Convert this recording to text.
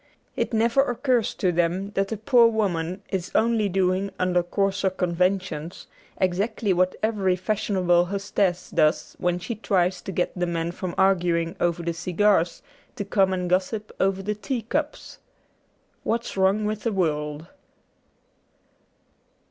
It never occurs to them that the poor woman is only doing under coarser conventions exactly what every fashionable hostess does when she tries to get the men from arguing over the cigars to come and gossip over the teacups. ' What's Wrong with the World.'